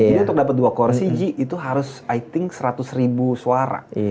jadi untuk dapat dua kursi ji itu harus i think seratus suara